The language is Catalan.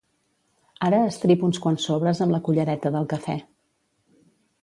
Ara estripa uns quants sobres amb la cullereta del cafè.